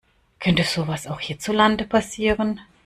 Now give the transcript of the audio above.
Könnte sowas auch hierzulande passieren?